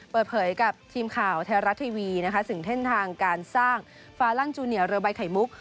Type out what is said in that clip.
เปิดเผยกับทีมข่าวไทยรัฐทีวีนะคะถึงเส้นทางการสร้างฟาลั่นจูเนียเรือใบไข่มุก